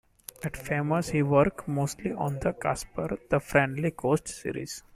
At Famous he worked mostly on the Casper the Friendly Ghost series.